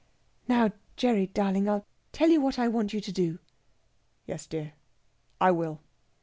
"Now, Gerry darling, I'll tell you what I want you to do...." "Yes, dear, I will."